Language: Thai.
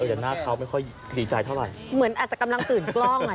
แต่หน้าเขาไม่ค่อยดีใจเท่าไหร่เหมือนอาจจะกำลังตื่นกล้องอ่ะ